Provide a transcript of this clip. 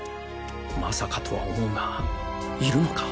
まさかとは思うがいるのか？